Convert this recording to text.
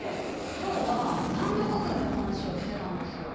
今日は産業革命の話をしてたんですよ。